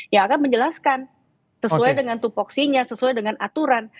yang akan menjelaskan sesuai dengan tupoksinya sesuai dengan aturan